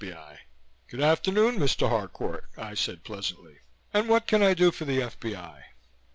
B.I. "Good afternoon, Mr. Harcourt," I said pleasantly, "and what can I do for the F.B.I.?"